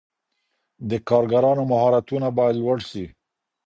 د کارګرانو مهارتونه باید لوړ سي.